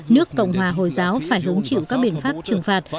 nước cộng hòa hồi giáo phải hứng chịu các biện pháp trừng phạt